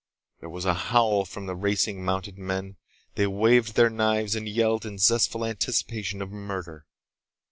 There was a howl from the racing, mounted men. They waved their knives and yelled in zestful anticipation of murder.